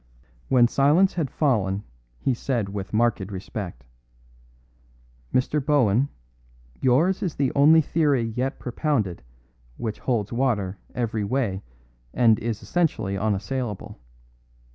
When silence had fallen he said with marked respect: "Mr. Bohun, yours is the only theory yet propounded which holds water every way and is essentially unassailable.